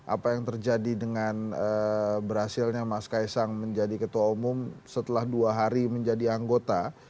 apa yang terjadi dengan berhasilnya mas kaisang menjadi ketua umum setelah dua hari menjadi anggota